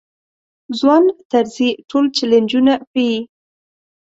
ځوان طرزی ټول چلنجونه پېيي.